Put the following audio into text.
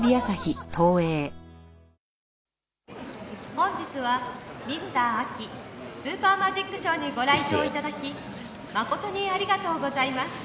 「本日はミスター・アキスーパーマジックショーにご来場頂き誠にありがとうございます」